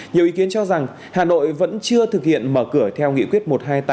nhiều ý kiến cho rằng hà nội vẫn chưa thực hiện mở cửa theo nghị quyết một trăm hai mươi tám